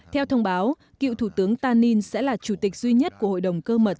theo thông báo cựu thủ tướng tain sẽ là chủ tịch duy nhất của hội đồng cơ mật